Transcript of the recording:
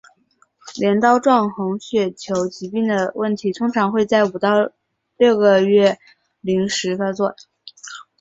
镰刀状红血球疾病的问题通常会在五到六个月龄时发作。